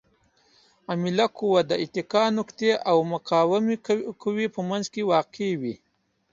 عامله قوه د اتکا نقطې او مقاومې قوې په منځ کې واقع وي.